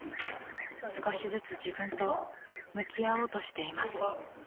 少しずつ自分と向き合おうとしています。